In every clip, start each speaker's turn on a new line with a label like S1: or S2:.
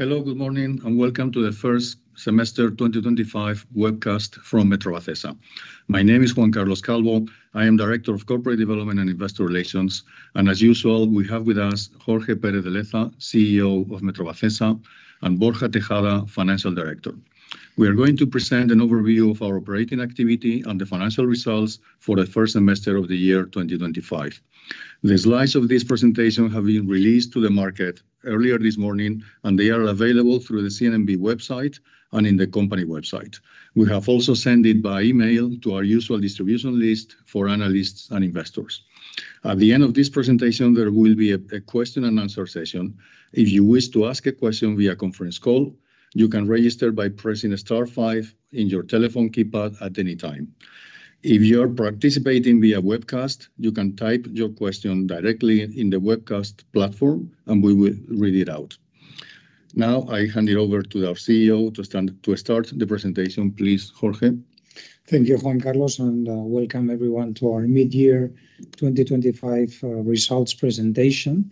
S1: Hello, good morning, and welcome to the first Semester 2025 webcast from Metrovacesa, S.A. My name is Juan Carlos Calvo Mateos. I am Director of Corporate Development and Investor Relations, and as usual, we have with us Jorge Pérez de Leza Eguiguren, CEO of Metrovacesa, S.A., and Borja Tejada Rendón-Luna, Financial Director. We are going to present an overview of our operating activity and the financial results for the first semester of the year 2025. The slides of this presentation have been released to the market earlier this morning, and they are available through the CNMV website and in the company website. We have also sent it by email to our usual distribution list for analysts and investors. At the end of this presentation, there will be a question and answer session. If you wish to ask a question via conference call, you can register by pressing star five in your telephone keypad at any time. If you are participating via webcast, you can type your question directly in the webcast platform, and we will read it out. Now, I hand it over to our CEO to start the presentation. Please, Jorge.
S2: Thank you, Juan Carlos, and welcome everyone to our mid-year 2025 results presentation.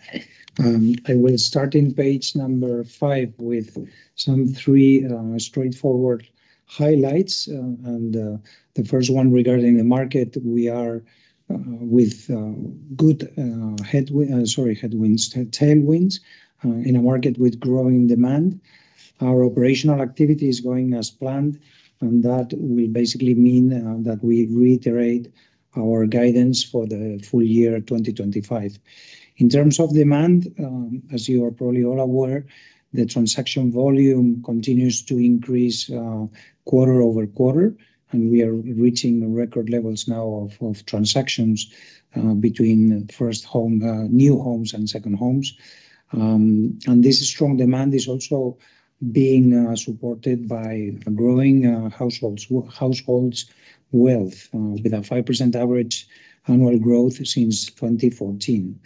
S2: I will start in page number five with some three straightforward highlights. The first one regarding the market: we are with good headwinds, tailwinds, in a market with growing demand. Our operational activity is going as planned, and that will basically mean that we reiterate our guidance for the full year 2025. In terms of demand, as you are probably all aware, the transaction volume continues to increase quarter over quarter, and we are reaching record levels now of transactions between first new homes and second homes. This strong demand is also being supported by growing households' wealth, with a 5% average annual growth since 2014.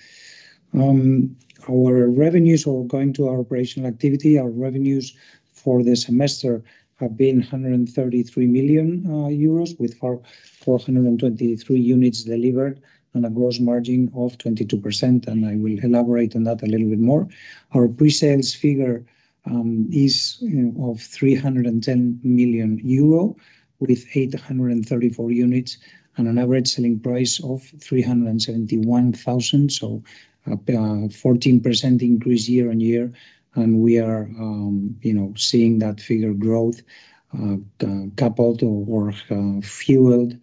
S2: Our revenues, going to our operational activity, our revenues for the semester have been 133 million euros, with 423 units delivered and a gross margin of 22%. I will elaborate on that a little bit more. Our pre-sales figure is of 310 million euro, with 834 units and an average selling price of 371,000, so a 14% increase year on year. We are seeing that figure growth coupled or fueled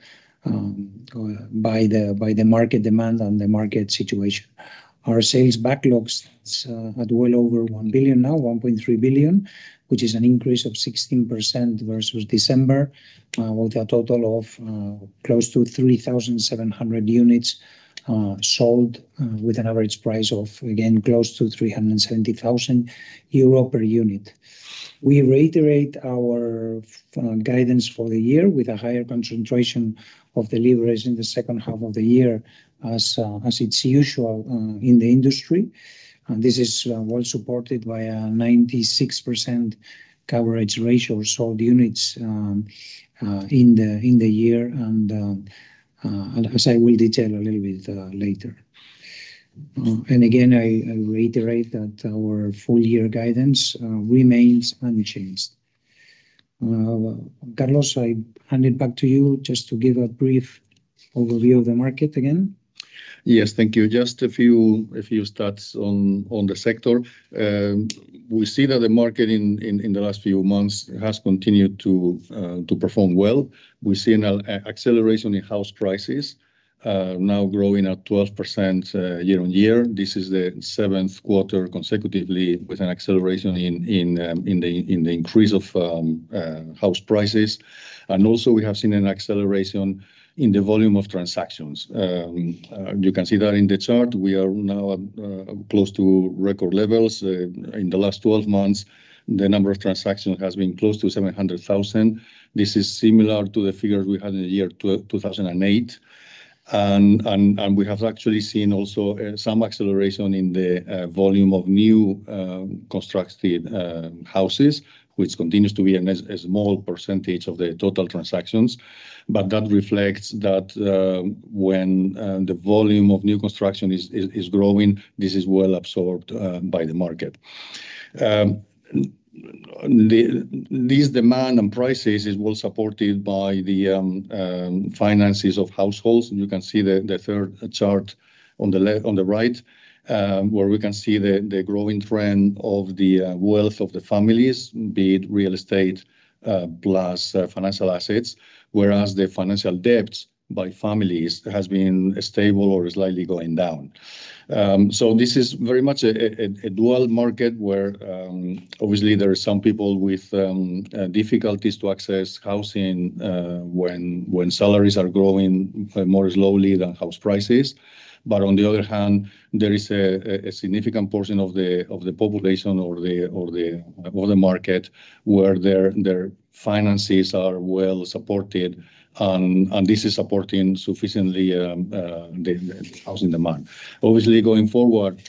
S2: by the market demand and the market situation. Our sales backlog is at well over 1 billion now, 1.3 billion, which is an increase of 16% versus December, with a total of close to 3,700 units sold, with an average price of, again, close to 370,000 euro per unit. We reiterate our guidance for the year with a higher concentration of deliveries in the second half of the year, as it's usual in the industry. This is well supported by a 96% coverage ratio of sold units in the year, as I will detail a little bit later. Again, I reiterate that our full-year guidance remains unchanged. Carlos, I hand it back to you just to give a brief overview of the market again.
S1: Yes, thank you. Just a few thoughts on the sector. We see that the market in the last few months has continued to perform well. We've seen an acceleration in house prices, now growing at 12% year on year. This is the seventh quarter consecutively, with an acceleration in the increase of house prices. Also, we have seen an acceleration in the volume of transactions. You can see that in the chart. We are now close to record levels. In the last 12 months, the number of transactions has been close to 700,000. This is similar to the figures we had in the year 2008. We have actually seen also some acceleration in the volume of new constructed houses, which continues to be a small percentage of the total transactions. That reflects that when the volume of new construction is growing, this is well absorbed by the market. This demand and prices are well supported by the finances of households. You can see the third chart on the right, where we can see the growing trend of the wealth of the families, be it real estate plus financial assets, whereas the financial debt by families has been stable or slightly going down. This is very much a dual market, where obviously there are some people with difficulties to access housing when salaries are growing more slowly than house prices. On the other hand, there is a significant portion of the population or the market where their finances are well supported, and this is supporting sufficiently the housing demand. Obviously, going forward,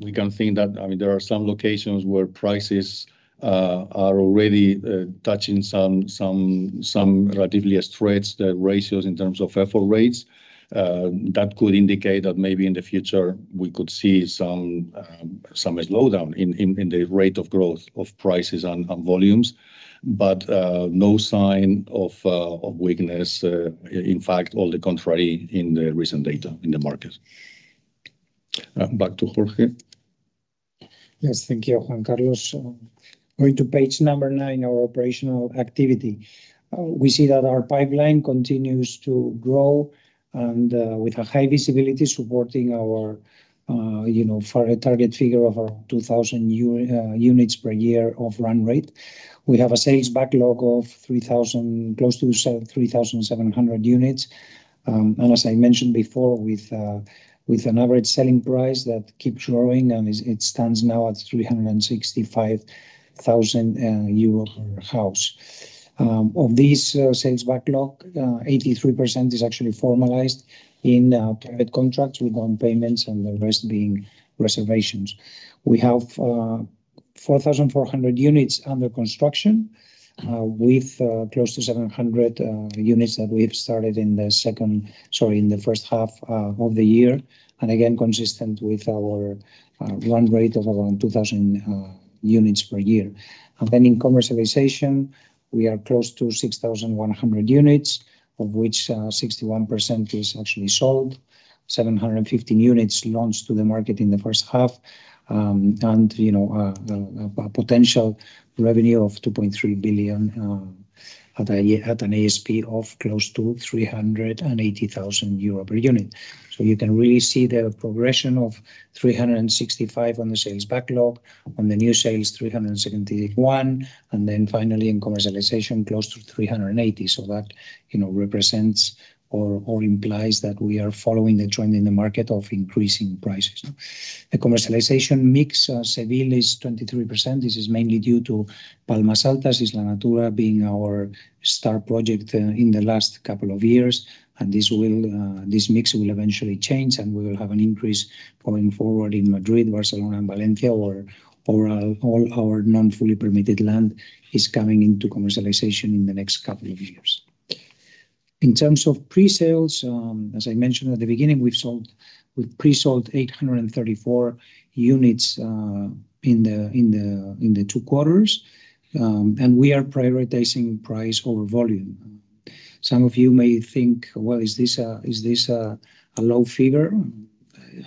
S1: we can think that there are some locations where prices are already touching some relatively stretched ratios in terms of effort rates. That could indicate that maybe in the future we could see some slowdown in the rate of growth of prices and volumes, but no sign of weakness. In fact, all the contrary in the recent data in the market. Back to Jorge.
S2: Yes, thank you, Juan Carlos. Going to page number nine, our operational activity. We see that our pipeline continues to grow and with a high visibility supporting our target figure of 2,000 units per year of run rate. We have a sales backlog of close to 3,700 units. As I mentioned before, with an average selling price that keeps growing, and it stands now at 365,000 euro per house. Of this sales backlog, 83% is actually formalized in the target contracts with one payment and the rest being reservations. We have 4,400 units under construction, with close to 700 units that we've started in the first half of the year, and again, consistent with our run rate of around 2,000 units per year. In commercialization, we are close to 6,100 units, of which 61% is actually sold, 715 units launched to the market in the first half, and a potential revenue of 2.3 billion at an ASP of close to 380,000 euro per unit. You can really see the progression of 365 on the sales backlog, on the new sales 371, and then finally in commercialization, close to 380. That represents or implies that we are following the trend in the market of increasing prices. The commercialization mix Seville is 23%. This is mainly due to Palmas Altas, Isla Natura being our star project in the last couple of years. This mix will eventually change, and we will have an increase going forward in Madrid, Barcelona, and Valencia, where all our non-fully permitted land is coming into commercialization in the next couple of years. In terms of pre-sales, as I mentioned at the beginning, we've sold 834 units in the two quarters, and we are prioritizing price over volume. Some of you may think, is this a low figure?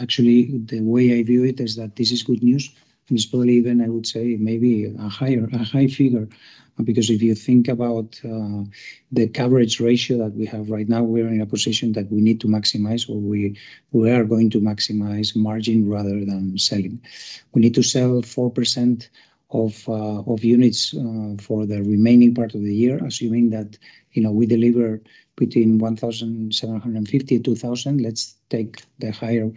S2: Actually, the way I view it is that this is good news. It's probably even, I would say, maybe a higher figure because if you think about the coverage ratio that we have right now, we are in a position that we need to maximize, or we are going to maximize margin rather than selling. We need to sell 4% of units for the remaining part of the year, assuming that we deliver between 1,750 and 2,000. Let's take the higher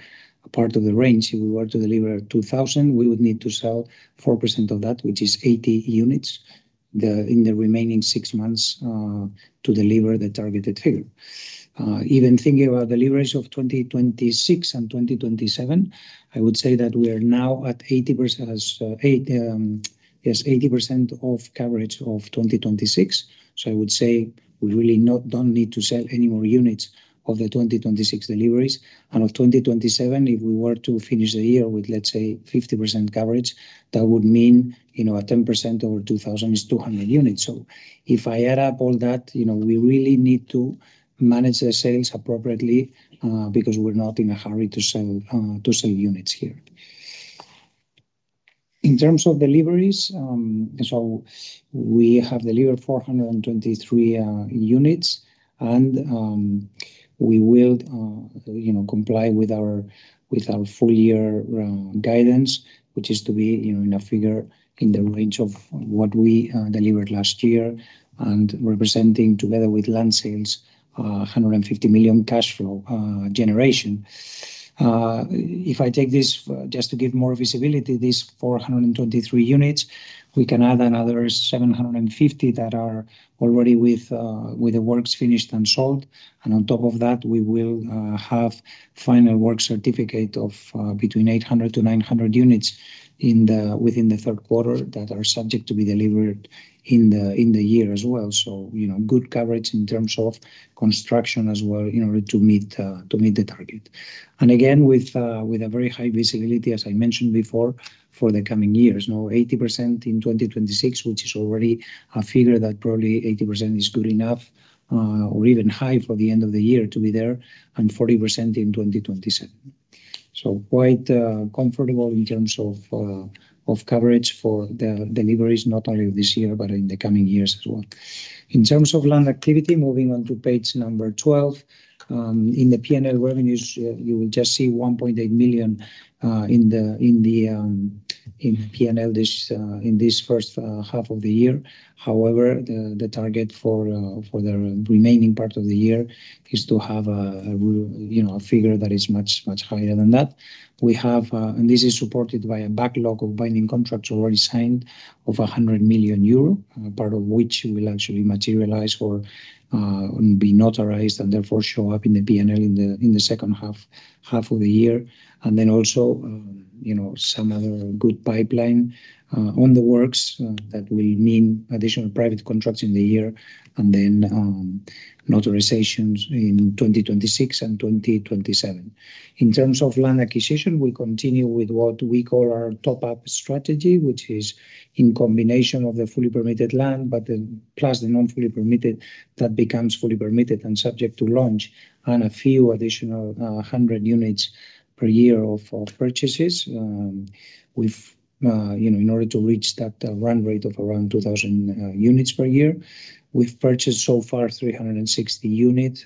S2: part of the range. If we were to deliver 2,000, we would need to sell 4% of that, which is 80 units, in the remaining six months to deliver the targeted figure. Even thinking about deliveries of 2026 and 2027, I would say that we are now at 80% of coverage of 2026. I would say we really don't need to sell any more units of the 2026 deliveries. Of 2027, if we were to finish the year with, let's say, 50% coverage, that would mean a 10% over 2,000 is 200 units. If I add up all that, we really need to manage the sales appropriately because we're not in a hurry to sell units here. In terms of deliveries, we have delivered 423 units, and we will comply with our full-year guidance, which is to be in a figure in the range of what we delivered last year and representing, together with land sales, 150 million cash flow generation. If I take this just to give more visibility, these 423 units, we can add another 750 that are already with the works finished and sold. On top of that, we will have final work certificate of between 800 to 900 units within the third quarter that are subject to be delivered in the year as well. Good coverage in terms of construction as well in order to meet the target. Again, with a very high visibility, as I mentioned before, for the coming years. Now, 80% in 2026, which is already a figure that probably 80% is good enough or even high for the end of the year to be there, and 40% in 2027. Quite comfortable in terms of coverage for the deliveries, not only this year, but in the coming years as well. In terms of land activity, moving on to page number 12, in the P&L revenues, you will just see 1.8 million in the P&L in this first half of the year. However, the target for the remaining part of the year is to have a figure that is much, much higher than that. We have, and this is supported by a backlog of binding contracts already signed of 100 million euro, part of which will actually materialize and be notarized and therefore show up in the P&L in the second half of the year. Also, some other good pipeline on the works that will mean additional private contracts in the year and then notarizations in 2026 and 2027. In terms of land acquisition, we continue with what we call our top-up strategy, which is in combination of the fully permitted land, but plus the non-fully permitted that becomes fully permitted and subject to launch, and a few additional 100 units per year of purchases in order to reach that run rate of around 2,000 units per year. We've purchased so far 360 units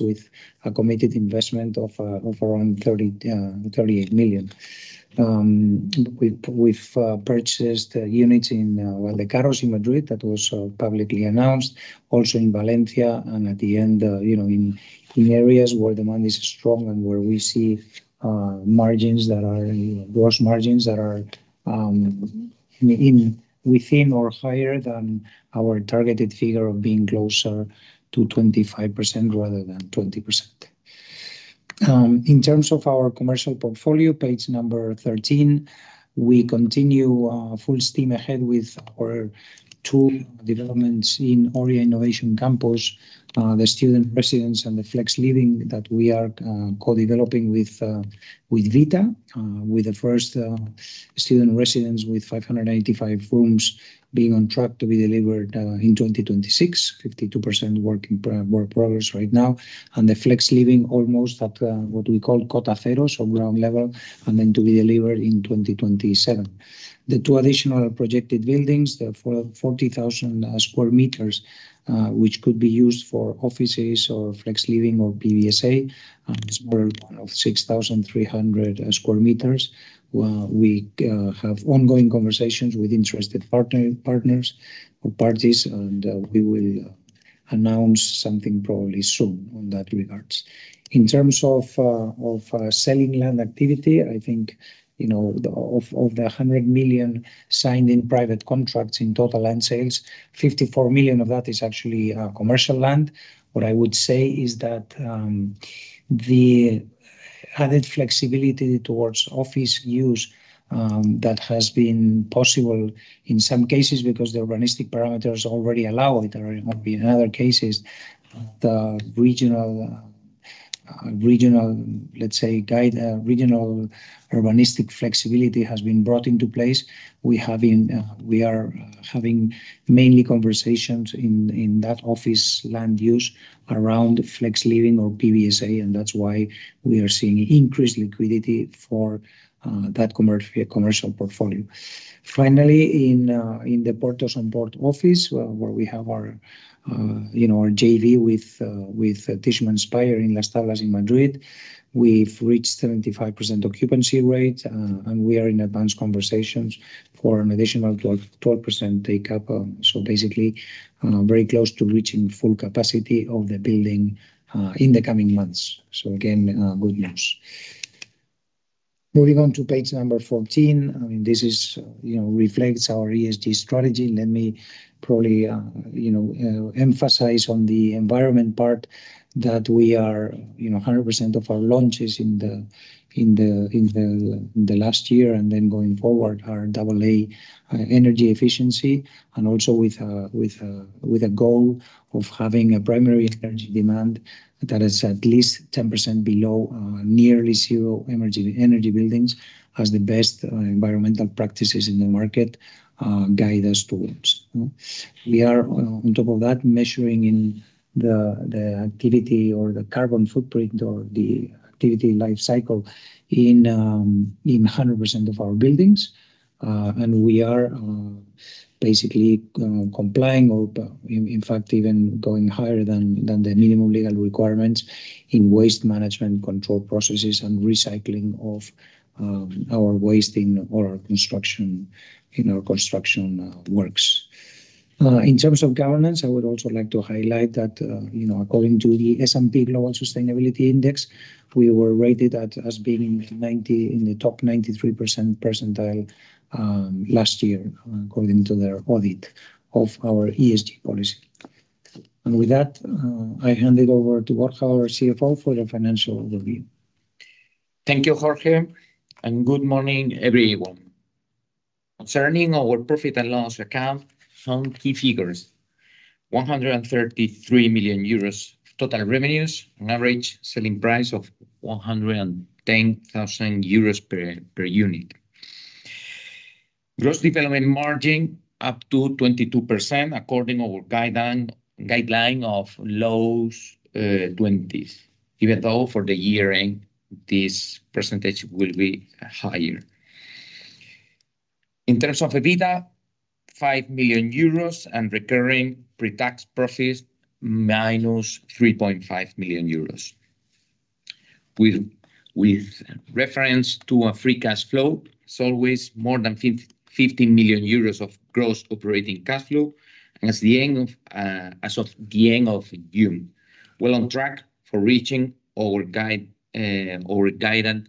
S2: with a committed investment of around 38 million. We've purchased units in the Carros in Madrid that was publicly announced, also in Valencia, and at the end, you know, in areas where demand is strong and where we see gross margins that are within or higher than our targeted figure of being closer to 25% rather than 20%. In terms of our commercial portfolio, page number 13, we continue full steam ahead with our two developments in Oria Innovation Campus, the student residence and the flex living that we are co-developing with Vita, with the first student residence with 585 rooms being on track to be delivered in 2026, 52% work in progress right now, and the flex living almost at what we call cota cero, so ground level, and then to be delivered in 2027. The two additional projected buildings, the 40,000 square meters, which could be used for offices or flex living or PBSA, is worth 6,300 square meters. We have ongoing conversations with interested partners and parties, and we will announce something probably soon on that regard. In terms of selling land activity, I think, you know, of the 100 million signed in private contracts in total land sales, 54 million of that is actually commercial land. What I would say is that the added flexibility towards office use that has been possible in some cases because the urbanistic parameters already allow it, or in other cases, the regional, let's say, guide urbanistic flexibility has been brought into place. We are having mainly conversations in that office land use around flex living or PBSA, and that's why we are seeing increased liquidity for that commercial portfolio. Finally, in the Puerto Somport office, where we have our in JV with Tishman Speyer in Las Tablas in Madrid, we've reached 75% occupancy rate, and we are in advanced conversations for an additional 12% take-up. Basically, very close to reaching full capacity of the building in the coming months. Again, good news. Moving on to page number 14, this reflects our ESG strategy, and let me probably emphasize on the environment part that we are 100% of our launches in the last year and then going forward are AA energy efficiency, and also with a goal of having a primary energy demand that is at least 10% below nearly zero energy buildings as the best environmental practices in the market guide us towards. We are, on top of that, measuring the activity or the carbon footprint or the activity lifecycle in 100% of our buildings, and we are basically complying or, in fact, even going higher than the minimum legal requirements in waste management control processes and recycling of our waste in our construction works. In terms of governance, I would also like to highlight that according to the S&P Global Sustainability Index, we were rated as being in the top 93% percentile last year according to their audit of our ESG policy. With that, I hand it over to our CFO for the financial review.
S3: Thank you, Jorge, and good morning everyone. Concerning our profit and loss account, some key figures: 133 million euros total revenues, an average selling price of 110,000 euros per unit. Gross development margin up to 22% according to our guideline of low 20s, even though for the year-end this percentage will be higher. In terms of EBITDA, 5 million euros and recurring pre-tax profits minus 3.5 million euros. With reference to free cash flow, it's always more than 15 million euros of gross operating cash flow as of the end of June. We are on track for reaching our guided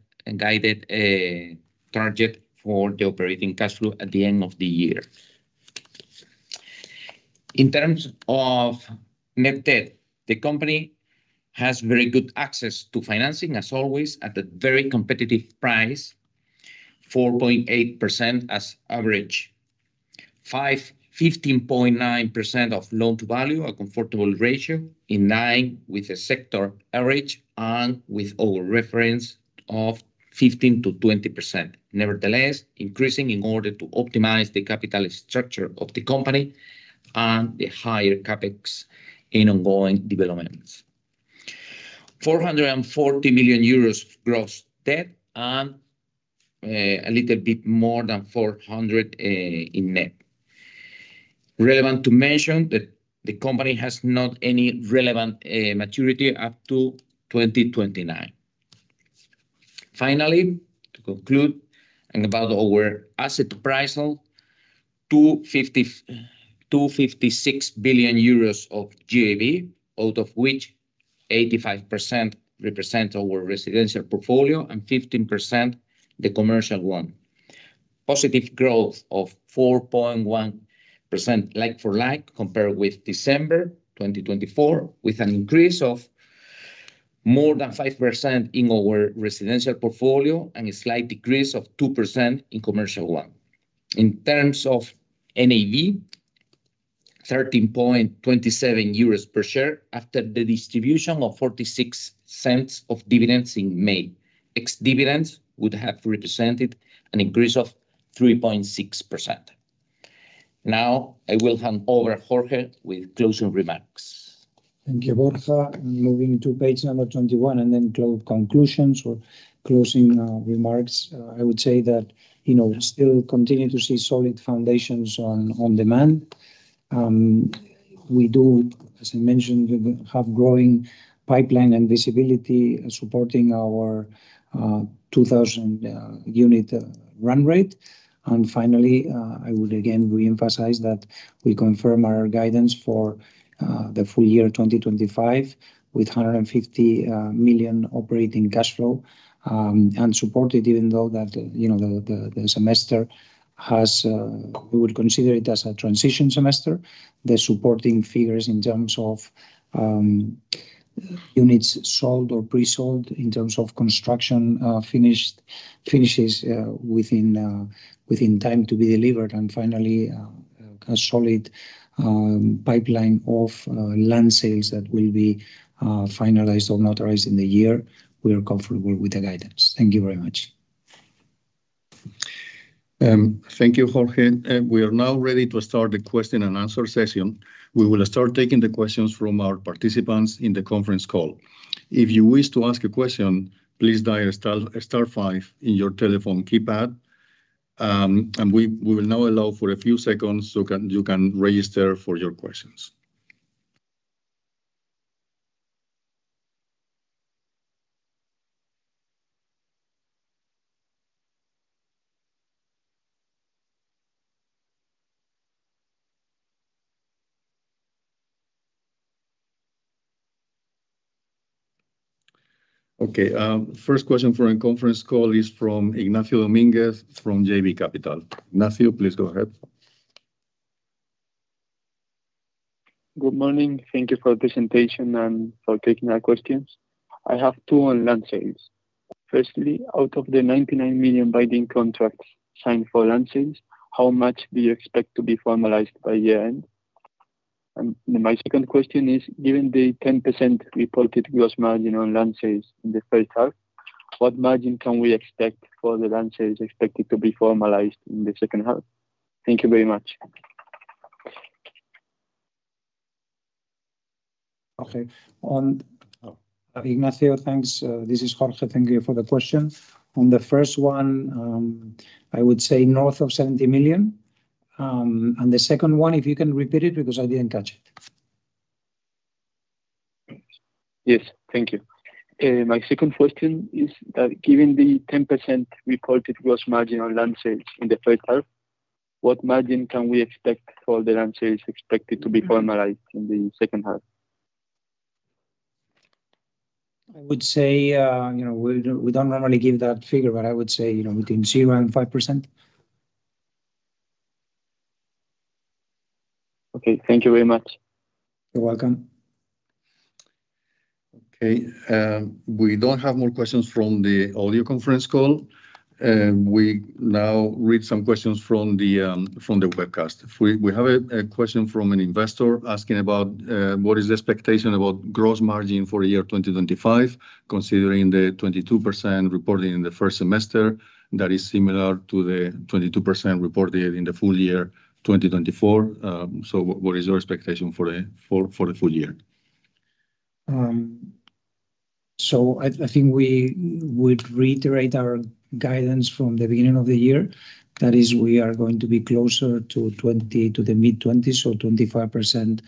S3: target for the operating cash flow at the end of the year. In terms of net debt, the company has very good access to financing, as always, at a very competitive price, 4.8% as average, 15.9% of loan-to-value, a comfortable ratio in line with the sector average and with our reference of 15%-20%. Nevertheless, increasing in order to optimize the capital structure of the company and the higher CapEx in ongoing developments. 440 million euros gross debt and a little bit more than 400 million in net. Relevant to mention that the company has not any relevant maturity up to 2029. Finally, to conclude about our asset appraisal, 2.56 billion euros of GAV, out of which 85% represent our residential portfolio and 15% the commercial one. Positive growth of 4.1% like-for-like compared with December 2024, with an increase of more than 5% in our residential portfolio and a slight decrease of 2% in commercial one. In terms of NAV, 13.27 euros per share after the distribution of 0.46 of dividends in May. Ex-dividends would have represented an increase of 3.6%. Now, I will hand over to Jorge with closing remarks.
S2: Thank you, Borja. Moving to page number 21 and then to conclusions or closing remarks, I would say that we still continue to see solid foundations on demand. We do, as I mentioned, have a growing pipeline and visibility supporting our 2,000 unit run rate. Finally, I would again reemphasize that we confirm our guidance for the full year 2025 with 150 million operating cash flow and support it even though the semester has, we would consider it as a transition semester. The supporting figures in terms of units sold or pre-sold in terms of construction finishes within time to be delivered. Finally, a solid pipeline of land sales that will be finalized or notarized in the year. We are comfortable with the guidance. Thank you very much.
S1: Thank you, Jorge. We are now ready to start the question and answer session. We will start taking the questions from our participants in the conference call. If you wish to ask a question, please dial star five on your telephone keypad. We will now allow for a few seconds so that you can register for your questions. Okay. The first question for the conference call is from Ignacio Domínguez from JB Capital. Ignacio, please go ahead.
S4: Good morning. Thank you for the presentation and for taking our questions. I have two on land sales. Firstly, out of the 99 million binding contracts signed for land sales, how much do you expect to be formalized by year-end? My second question is, given the 10% reported gross margin on land sales in the first half, what margin can we expect for the land sales expected to be formalized in the second half? Thank you very much.
S2: Okay. Ignacio, thanks. This is Jorge. Thank you for the questions. On the first one, I would say north of 70 million. If you can repeat the second one because I didn't catch it.
S4: Yes, thank you. My second question is that given the 10% reported gross margin on land sales in the first half, what margin can we expect for the land sales expected to be formalized in the second half?
S2: I would say we don't normally give that figure, but I would say between 0% and 5%.
S4: Okay, thank you very much.
S2: You're welcome.
S1: Okay. We don't have more questions from the audio conference call. We now read some questions from the webcast. We have a question from an investor asking about what is the expectation about gross margin for the year 2025, considering the 22% reported in the first semester that is similar to the 22% reported in the full year 2024. What is your expectation for the full year?
S2: I think we would reiterate our guidance from the beginning of the year. That is, we are going to be closer to the mid-20%-25%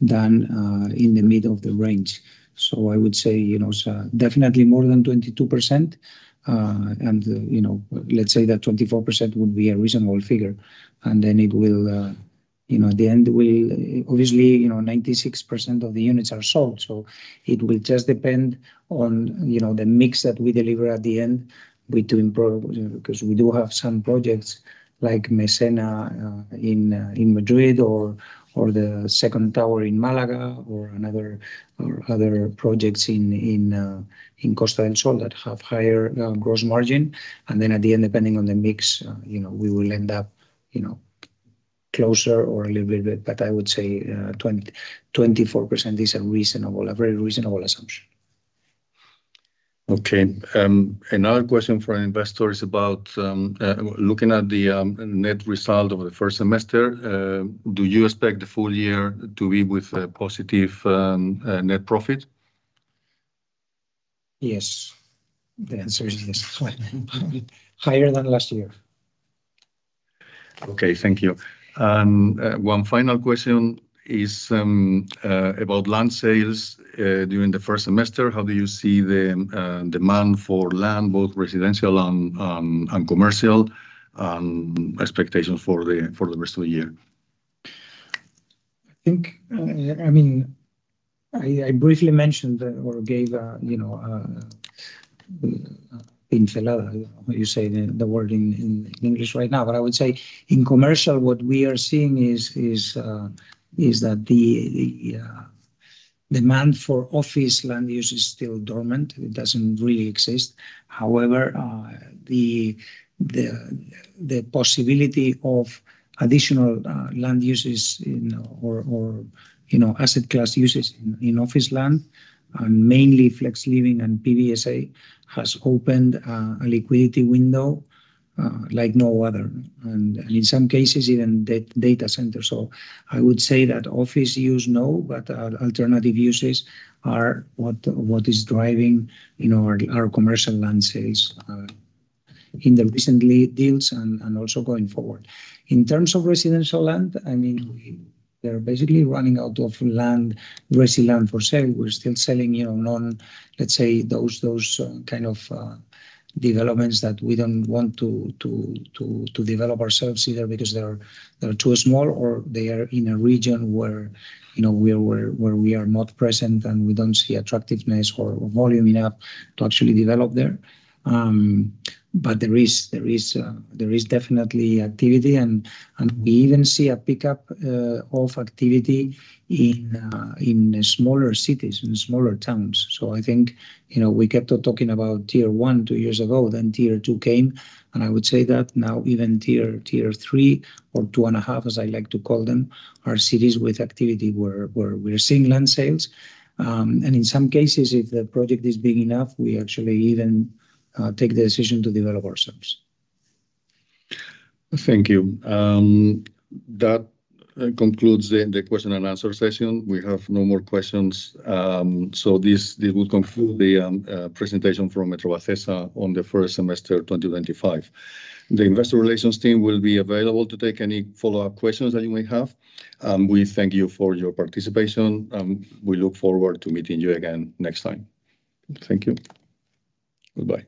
S2: than in the middle of the range. I would say it's definitely more than 22%. Let's say that 24% would be a reasonable figure. At the end, 96% of the units are sold. It will just depend on the mix that we deliver at the end because we do have some projects like Mesena in Madrid or the Second Tower in Málaga or other projects in Costa del Sol that have higher gross margin. At the end, depending on the mix, we will end up closer or a little bit, but I would say 24% is a very reasonable assumption.
S1: Okay. Another question for an investor is about looking at the net result of the first semester. Do you expect the full year to be with a positive net profit?
S2: Yes, the answer is yes, higher than last year.
S1: Okay. Thank you. One final question is about land sales during the first semester. How do you see the demand for land, both residential and commercial, and expectations for the rest of the year?
S2: I think, I mean, I briefly mentioned or gave an, you say the word in English right now, but I would say in commercial, what we are seeing is that the demand for office land use is still dormant. It doesn't really exist. However, the possibility of additional land uses or asset class uses in office land, and mainly flex living and PBSA, has opened a liquidity window like no other. In some cases, even data centers. I would say that office use, no, but alternative uses are what is driving our commercial land sales in the recent deals and also going forward. In terms of residential land, I mean, we are basically running out of land, residential land for sale. We're still selling, you know, non, let's say, those kind of developments that we don't want to develop ourselves either because they're too small or they are in a region where we are not present and we don't see attractiveness or volume enough to actually develop there. There is definitely activity, and we even see a pickup of activity in smaller cities, in smaller towns. I think, you know, we kept talking about tier one two years ago, then tier two came, and I would say that now even tier three or two and a half, as I like to call them, are cities with activity where we're seeing land sales. In some cases, if the project is big enough, we actually even take the decision to develop ourselves.
S1: Thank you. That concludes the question and answer session. We have no more questions. This will conclude the presentation from Metrovacesa, S.A. on the first semester 2025. The Investor Relations team will be available to take any follow-up questions that you may have. We thank you for your participation, and we look forward to meeting you again next time. Thank you. Goodbye.